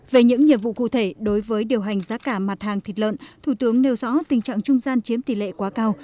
về những nhiệm vụ cụ thể đối với điều hành giá cả mặt hàng thịt lợn thủ tướng nêu rõ tình trạng trung gian chiếm tỷ lệ quá cao